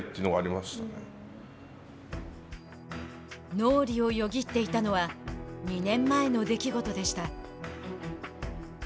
脳裏をよぎっていたのは２年前の出来事でした。